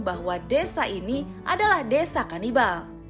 bahwa desa ini adalah desa kanibal